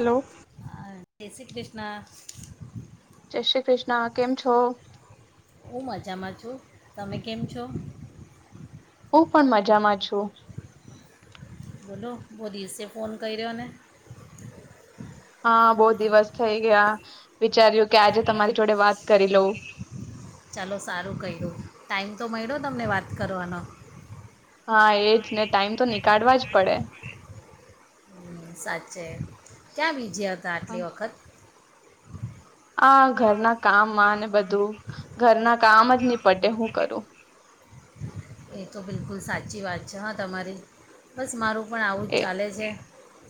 Hello હ ના જય શ્રી કૃષ્ણ કેમ છો હું મજામાં છું તમે કેમ છો હું પણ મજામાં છું બોલો બહ દિવસે ફોન કર રહ્યો ને હા બહુ દિવસ થઈ ગયા વિચાર્યું કે આજે તમારી જોડે વાત કરી લોઉ ચાલો સારું કહી દઉં ટાઈમ તો મળ્યો તમને વાત કરવાનો હા એજ ને ટાઈમ તો નીકાળવા જ પડે હમ, સાચે ક્યાં બીજ તો આટલી વખત આ ઘરના કામજ ની પટે હું કરું એતો બિલકુલ સાચી વાત છે હા તમારી, બસ મારું પણ આવુંજ એ ચાલે છે.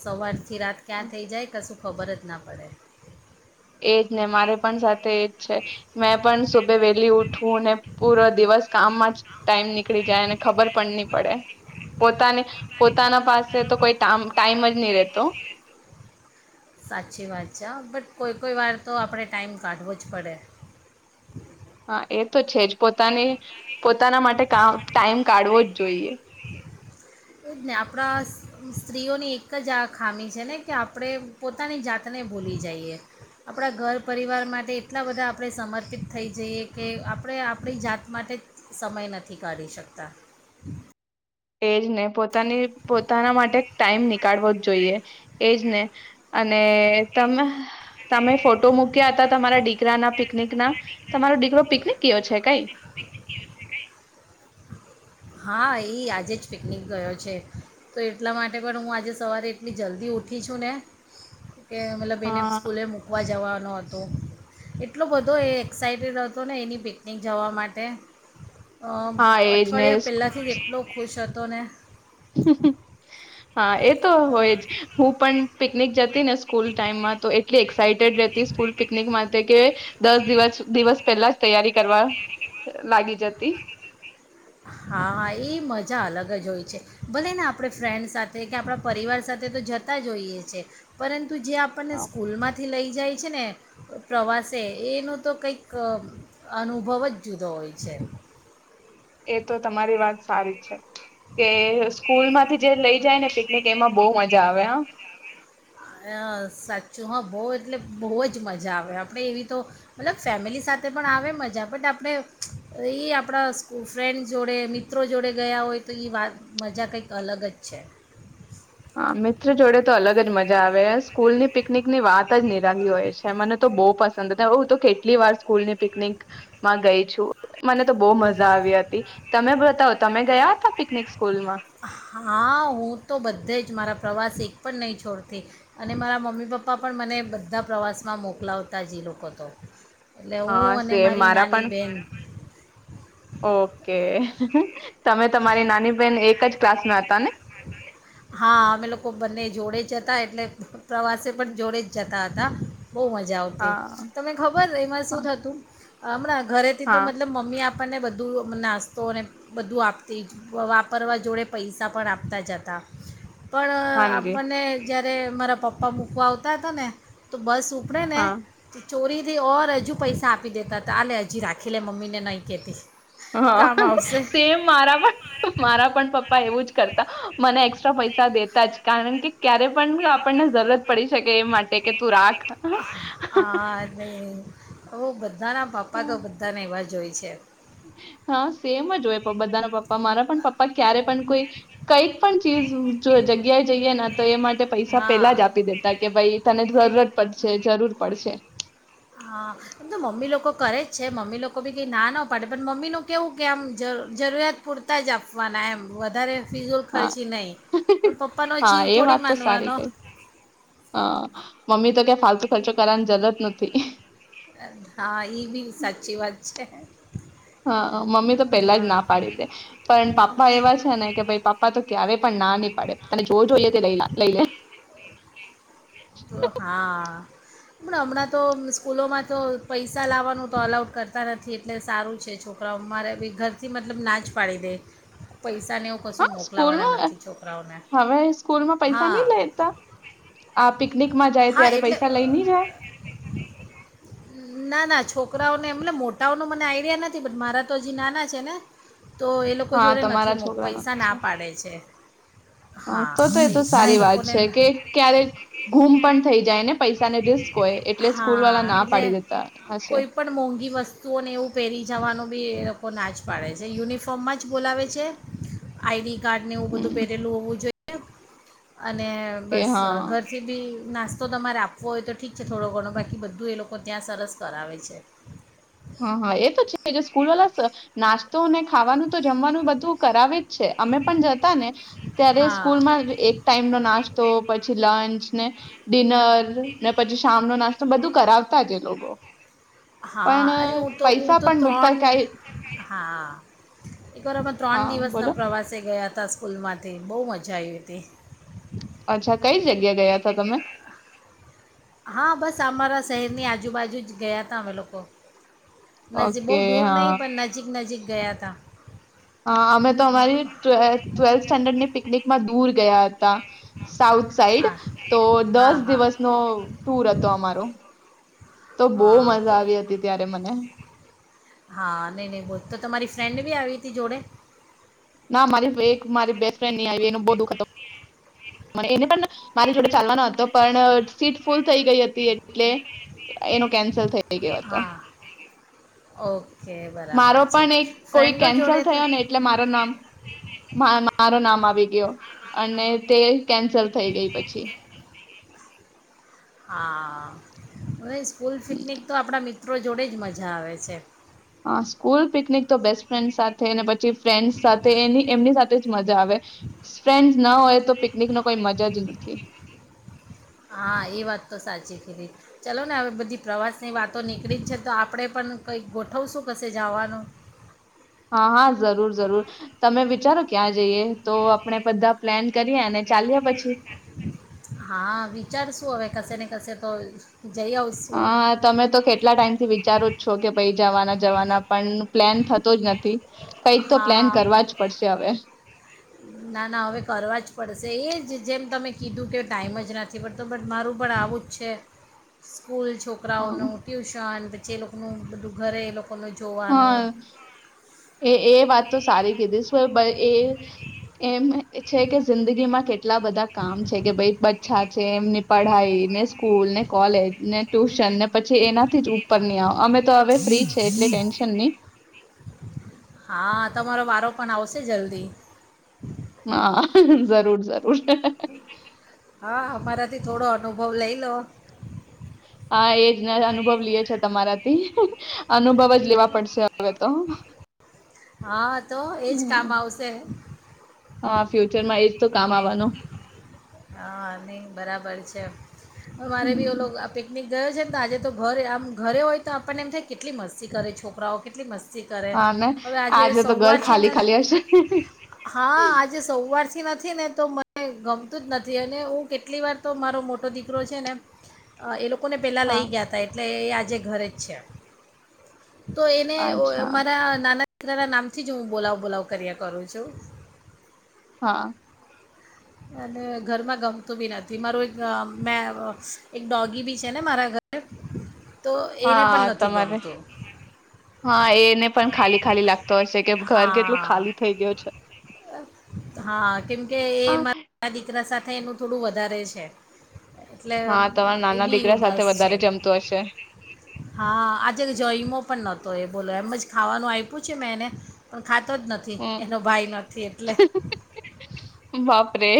સવારથી થી રાત ક્યાં થઈ જાય કશું ખબરજ ના પડે. એજ ને મારે પણ સાથે એજ છે, મેં પણ સુભે વહેલી ઉઠવું ને પૂરો દિવસ કામમાં જ ટાઈમ નીકળી જાય અને ખબર પણ ની પડે, પોતાની પોતાના પાસે તો કોઈ ટામ, ટાઈમજ ની રતો સાચી વાત છે હા, બટ કોઈ કોઈ વાર તો આપડે ટાઈમ કાઢવોજ પડે. એ તો છેજ. પોતાની પોતાના માટે ટામ ટાઈમ કાઢવો જ જોઈએ. એ જ ને આપડા સ્ત્રીઓની એક જ આ ખામી છે ને, કે આપડે પોતાની જાતને ભૂલી જઈએ. આપડા ઘર પરિવાર માટે એટલા બધા આપડે સમર્પિત થઈ જઈએ, કે આપડે આપડી જાત માટે સમય નથી કાઢી શકતા. એજ ને પોતાની પોતાના માટે ટાઈમ નીકાળવો જ જોઈએ એજને અને ને તમે તમે ફોટો મૂક્યા હતા તમારા દીકરાના પિકનિકના, તમારો દીકરો પિકનિક ગયો છે, કઈ? હા, એ આજે જ પિકનિક ગયો છે, તો એટલા માટે પણ હું આજે સવારે એટલી જલ્દી ઉઠી છું ને કે મતલબ એને હા સ્કૂલે મૂકવા જવાનોત હતો એટલો બધો એ એક્સાઈટેડ હતો ને એની પિકનિક જવા માટે અહ હા એજ ને અઠવાડિયા પહેલાંથી જ એટલો ખુશ હત તોને હ [unintelligible] હા, એતો અમ, હોયજ, હું પણ પિકનિક જતી ને સ્કૂલ ટાઈમમાં તો એટલી એક્સાઇટેડ રહેતી સ્કૂલ પિકનિક માટે કે દસ દિવસ, દિવસ પહેલાજ તૈયારી કરવા લાગી જતી. હા હા એ મજા અલગ જ હોય છે ભલે ને આપડે ફ્રેન્ડ સાથે કે આપડા પરિવાર સાથે તો જતા જોઈએ છે પરંતુ ત જે આપણને સ્કૂલ માંથી લઈ જાય છે ને પ્રવાસે એનો તો કંઈક અનુભવ જ જુદો હોય છે. એ તો તમારી વાત સારી છે, કે સ્કૂલ માંથી જે લઈ જાય ને પિકનિક એમાં બોવ મજા આવે હા અહ સાચું હા બહુ એટલે બહુ જ મજા આવે. આપણે એવી તો મતલબ ફેમિલી સાથે પણ આવે મજા બટ આપણે એ આપડા ફ્રેન્ડ જોડે, મિત્રો જોડે ગયા હોય, તો એ વાત મજા કંઈક અલગ જ છે. હા, મિત્ર જોડે તો અલગ જ મજા આવે સ્કૂલ ની પિકનિકની વાત જ નિરાલી હોય છે, મને તો બો પસંદ હતા, હું તો કેટલી વાર સ્કૂલ ની પિકનિકમાં ગઈ છું, મને તો બહુ મજા આવી હતી, તમે બતાવો તમે ગયા હતા, પિકનિક? સ્કૂલમાં હા, હું તો બધે જ મારા પ્રવાસ એક પણ નહીં છોડતી અને મારા મમ્મી પપ્પા પણ મને બધા પ્રવાસમાં મોકલાવતા જે લોકો તો. એટલે હું હા અને સેમ મારી મારા નાની પણ બેન. ઓકે તમે તમારી નાની બેહેન એક જ ક્લાસમાં હતા ને. હા અમે લોકો બંને જોડે જ હતા એટલે પ્રવાસે પણ જોડે જ જતા હતા. બહુ મજા આવતી હા તને ખબર એમાં શું હા થતું. હમણા. ઘરેથી તો હા મતલબ મમ્મી આપ [unintelligible] આપણને બધું નાસ્તો અને બધું આપતી જ વાપરવા જોડે પૈસા પણ આપતા જ હતા. પણ હાજી આપણને. જય્યારે [unintelligible] મારા પપ્પા મૂકવા આવતા હતા ને તો બસ. કપડેને. હા ચોરીથી ઓર હજી પૈસા આપી દેતા હતા આલે હજી રાખી લે મમ્મીને નય કતી. હા [unintelligible] સેમ મારા પણ [unintelligible] હમારા પણ પપ્પા એવું જ કરતા [unintelligible] મને અસ એક્સ્ટ્રા પૈસા દેતા જ, કારણ કે ક્યારે પણ આપણને જરૂરત પડી શકે એ માટે કે તું રાખ. [unintelligible] ઓ બધાના પપ્પા તો બધાને એવા જો હોય છે. [unintelligible] હા સેમ જ હોય પ બધાના પપ્પા મારા પણ પપ્પા ક્યારે પણ કોઈ [unintelligible] કઈક પણ ચીજ જો જગ્યાએ જઈએ તો એ માટે [unintelligible] પૈસા પેલા હા જ આપી દેતા કે ભાઈ તને જરૂરત પડશે જરૂર પડશે. હા એમ તો મમ્મી લોકો કરે જ છે મમ્મી લોકો બી કંઈ ના પાડે પણ મમ્મીનું કેવું કે આમ જ જરૂરિયાત પૂરતા જ આપવાના એમ વધારે ફિઝૂલ હા ખર્ચી નહીં પણ [unintelligible] પપ્પાનો હા જીવ એ થોડી વાત તો માનવાનો સારી કઈ હ મમ્મી તો કે ફાલતુ ખર્ચો કરવાની જરૂરત નથી. અ હા ઈ ભી સાચી વાત છે હે. હા અ મમ્મી તો પેલા જ ના પાડી દે, પણ પપ્પા એવા છે ને કે ભ પપ્પા તો ક્યારે પણ ના નય પાડે જો જોઈએ લઈ લા લઈ લે. તો હા. પણ હમણાં તો સ્કૂલોમાં તો પૈસા લાવવાનું તો અલાડ કરતા નથી એટલે સારું છે છોક પણ અમારે બી ઘરથી મતલબ ના જ પાડી દે, પૈસા હા સ્કૂલમાં હવે સ્કૂલમાં પૈસા હા નિ લેતા આ પિકનિકમાં જાય હા ત્યારે એટલે પૈસા લઈ નહી જાય. ના-ના છોકરાઓને એમલે મોટાઓ મને આઈડિયા નથી પણ મારા તો હજી નાના છે ને તો એ લોકો હા જોડે તમારા નથી મો છોકરાના પૈસા છે. ના પાડે છે. હા તો-તો એ તો સારી વાત છે કે ક્યારેક ગુમ પણ થઈ જાય ને પૈસાને રિસ્ક હોય એટલે સ્કૂલ વાળ હા ના એટલે પાડી દેતા કોઈ હશે. પણ મોંઘી વસ્તુઓને એવું [unintelligible] બી એ લોકો ના જ પાડે છે યુનિફોર્મમાં જ બોલાવે છે આઈડી‌ કાર્ડનેવું બધું હમ પરેલું ઓવું જોએ. [inaudible] અને કે બસ હા ઘરથી બી નાસ્તો તમારે આપવો હોય તો ઠીક છે થોડો ઘણો બાકી બધું એ લોકો ત્યાં સરસ કરાવે છે. હા-હા એ એ તો છે જે સ્કૂલ વાલા સ નાસ તોને ખાવાનું તો જમવાનું બધું કરાવે જ છે અમે પણ જતા ને [unintelligible] ત્યારે હા સ્કૂલમાં એક ટાઈમ નો નાસ્તો પછી લંચ ને ડિનર ને પછી શામનો નાસ બધું કરાવતા જ એ લોકો. પણ અ, હા ું તો હું પૈસા તો પણ મુકતા ત્રણ કઈ હા એક વારમાં ત્રણ હા બોલો. દિવસના પ્રવાસે ગયા હતા હતા સ્કૂલમાંથી બહુ મજા આવી હતી અચ્છા કઈ જગ્યા ગયા હતા તમે હા બસ અમારા શહેરની આજુબાજુ જ ગયા ત અમે લોકો નજીક બહુ ઓકે દૂર હા. નહીિ પણ નજીક નજીક ગયા હતા હા અમે તો અમારી ટ્વેલ્થ સ્ટેન્ડર્ડની પનક માં દૂર ગયા સાઉથ સાઈડ હા તો હા દસ હા દિવસ ન ટુર હતો અમારો તો બહ હા કે મજા આવી હતી ત્યારે મને હા નહી નહી બોલ તો તમારી ફ્રેન્ડ બી આવી હતી જોડે ના મારી એક મારી બેસ્ટ ફ્રેન્ડ ન આવી એનું બહુ દુખ મ એ મારી જોડે ચાલવાનો હતો પણ સીટ ફૂલ થઈ ગઈ હતી એટલે એનું કેન્સલ થઈ ગયો હતો હા ઓકે બરાબર મારો છે પણ એક કોઈ ફ્રેન્ડો કેન્સલ જોડે તો થયો ને એટલે મારો નામ મારો નામ આવી ગયો અને તે કેન્સલ થઈ ગઈ પછી હા સ્કલ પિકનિક તો આપણા મિત મિત્રો જોડે જ મજા આવે છે હા સ્કૂલ પિકનિક તો બેસ્ટ ફ્રેન્ડ સાથે પછી ફ્રેન્ડસ સાથે એની એમની સાથે જ મજા આવે ફ્રેન્ડસ ના હોય તો પિકનિક ન કોઈ મજા જ નથી ચાલો ને હવે બધી પ્રવાસની વાતો નીકળી જ છે તો આપણે પણ કંઈક ગોઠવશું કશે જવાનું હા હા જરૂર જરૂર તમે વિચારો ક્યાં જઈએ તો આપણેે બધા પ્લાન કરીએ અને ચલીએ હા વિચારશું હવે કશે ને તસે તો જઈ આવશું હા તમે તો કેટલા ટાઈમ થી વિચારો જ છો કે પછ જવાના જવાના પણ પ્લેન થતો જ નથી કંઈક તો પ્લાન હા કરવા જ પડશે હવે ના ના હવે કરવા જ પડશે એ જ જેમ તમે કીધું કે ટાઈમ જ નથી પડતો બટ મારું પણ આવું જ છે સ્કૂલ હ છોકરાઓનું ટ્યુશન જે એ લોકોનુંું ઘરે એ લોકો [unintelligible] હા જોવાનું [unintelligible] એ એ વાત તો સારી કીધી શું એ એ એમ છે કે જિંદગીમાં કેટલા બધા કામ છે કે ભાઈ બચ્ચાં છે એમની પઢાઈ ને સ્કૂલ, ને કોલેજ, ને ટ્યુશન ને પછી એનાથી જ ઉપર ની આવ અમે તો હવે ફ્રી છે એટલે ટેન્શન નહી. હા, તમારો વારો પણ આવશે જલ્દી. હા, જરૂર જરૂર. હા, અમારાથી થોડો અનુભવ લઈ લો. હા એજને અનુભવ લઈએ છે તમારાથી. અનુભવ જ લેવા પડશે હવે તો હા, તો એજ કામ હમ. આવશે. હા, ફ્યુચરમાં એ તો કામ આવવાનું. હા, નહી બરાબર છે. મારે ભી હમ. [unintelligible] આપે. એ ગયો છે તો આજે તો ઘરે આમ ઘરે હોય તો આપણને એમ થાય કેટલી મસ્તી કરે છોકરાઓ, કેટલી મસ્તી ઘરે હા ને હવે આજે તો ઘર સવારથી ખાલી નથી. ખાલી હશે. હા, આજે સવારથી નથી. ને તો મને ગ હું જ નથી અને હું કેટલી વાર તો મારો મોટો દીકરો છે ને એ લોકો હું ને પેલા લઈ હા, ગયા હતા એટલે આજે ઘરે જ છે. તો એને [unintelligible] અચ્છા. મારા નાના તારા નામથી જ હું બોલાવ બોલાવ કર્યા કરું છું. હા. અને ઘરમાં ગમતું બી નથી મારું એક મે એક ડોગી બી છે ને મારા ઘરે. તો એને પણ હા નથી તમારે ગમતું હા એને પણ ખાલી ખાલી લાગતો હોય છે કે ઘર કેટલું હા ખાલી થઈ ગયું છે. હા કેમકે એ મારા દીકરા સાથે થોડું વધારે છે. એટલે હા તમારા એ નાના બી દીકરા સાથે ઉદાસ છે વધારે જમતો હશે. હા, આજે જયમો પણ નથી. તો એ બોલો એમ જ ખાવાનું આપ્યું છે મેં એને ખાતો જ નથી હમ. એનો ભાઈ નથી એટલે. બાપરે!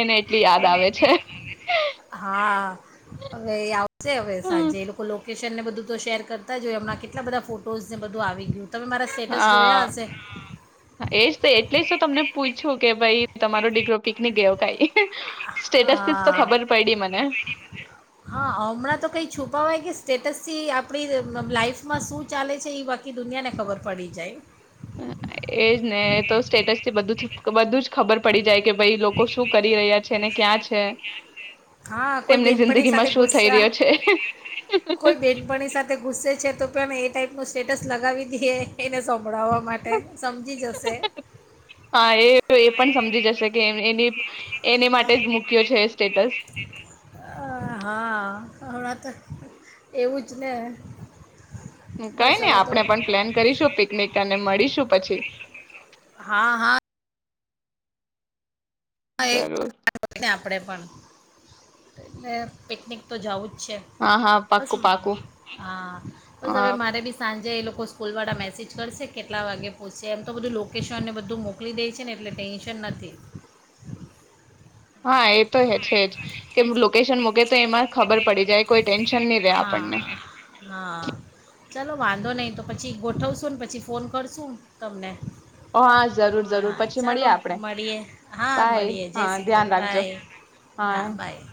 એને એટલી યાદ આવે છે. હા, હવે આવશે હવે હમ. સાંજે એ લોકો. લોકેશનને બધું તો શેર કરતા જ હોય એમના કેટલા બધા ફોટઝને બધું આવી ગયું. તમે મારા સ્ટેટસ જોયા હા હશે એજ તો એટલે તો તમને પૂછું કે ભાઈ તમારો ડિગ્ર પિકનિક ગ કઈ સ્ટેટસ થી તો હા ખબર પયડી મને ક કે સ્ટેટસથી આપણી લાઈફમાં શું ચાલે છે, એ બાકી દુનિયાને ખબર પડી જાય. એજ ને તો સ્ટેટસ થી બધું બધું જ ખબર પડી જાય કે ભાઈ લોકો શું કરી રહ્યા છે ને ક્યાં છે હા કોઈ તેમની બેનપણી જિંદગી માં સાથે શું થઈ ગુસ્સા રહ્યો છે. કોઈ બેનપણી સાથે ગુસ્સે છે પણ એ તો ટાઈપનું સ્ટેટસ લગાવી દેએ એને સૈ હા એ એ પણ સમજી જશે કે એ એની માટે જ મૂક્યો છે સ્ટેટસી હા હમણાં તો એવું જ કે કઈ નહી આપણે પણ પ્લેન કરીશું પિકનિક અને મળીશું પછી. હા હા એ જરૂર. ને આપણે પણ એ પિકનિક તો જવું જ છે, હા હા બસ પાક્કું પાક્કું હા બસ અ હવે મારે બી સાંજે એ લોકો સ્કૂલ વાળા મેસેજ કરશે કેટલા વાગે પહોંચશે એમ તો બધું લોકેશનને બધું મોકલી દે છે, ને એટલે ટેન્શન નથી. હા એ તો હ છે જ કે લોકેશન મો તો એમાં ખબર પડી જાય કોઈ ટેન્શન નહી રે હા આપણને હા ચાલો વાંધો નહીં તો પછી ગોઠવશું ને પછી ફોન કરશું તમને હા જરૂર જરૂર હા પછી મળીએ ચાલો આપડે મળીએ હા બાય મળીએે જય હા કૃષ્ણ ધ્યાન રાખજો બાય, હા બાય.